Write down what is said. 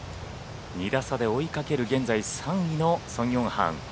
２打差で追いかける現在３位のソン・ヨンハン。